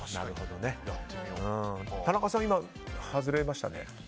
田中さん、今は外れましたね。